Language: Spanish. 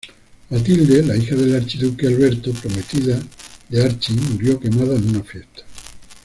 Matilde, la hija del archiduque Alberto, prometida de "Archi", murió quemada en una fiesta.